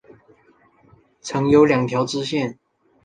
曾有两条支线。